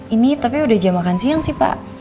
ini tapi udah jam makan siang sih pak